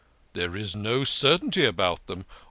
There is no certainty about them.